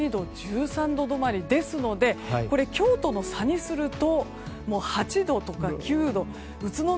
１２度、１３度止まりですので今日との差にすると８度とか、９度。